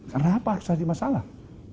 kenapa harus menjadi masalah